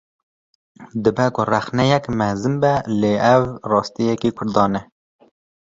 Dibe ku rexneyeke mezin be, lê ev rastiyeke Kurdan e